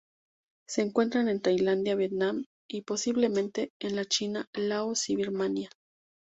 Se encuentra en Tailandia, Vietnam y, posiblemente, en la China, Laos y Birmania.